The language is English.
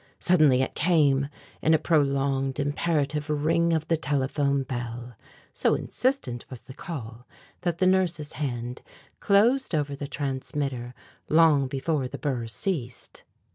Suddenly it came in a prolonged, imperative ring of the telephone bell. So insistent was the call that the nurse's hand closed over the transmitter long before the burr ceased.